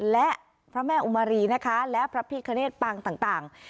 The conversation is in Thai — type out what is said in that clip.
และพระแม่อุมารีนะคะและพระพิคเนตปางต่าง